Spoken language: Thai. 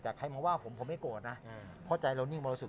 แต่ใครมาว่าผมผมไม่โกรธนะเพราะใจเรานิ่งมรสุท